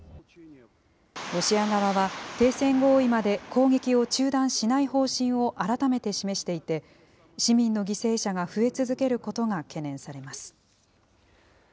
ロシア側は停戦合意まで攻撃を中断しない方針を改めて示していて、市民の犠牲者が増え続けることが懸念されます。